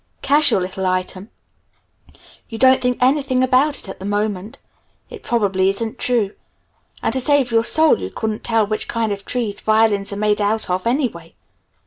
Casual little item. You don't think anything about it at the moment. It probably isn't true. And to save your soul you couldn't tell what kind of trees violins are made out of, anyway.